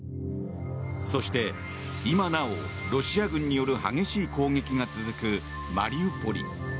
そして、今なおロシア軍による激しい攻撃が続くマリウポリ。